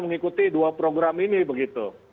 mengikuti dua program ini begitu